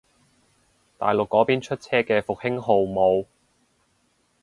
大陸嗰邊出車嘅復興號冇